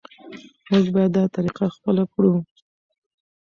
موږ باید دا طریقه خپله کړو.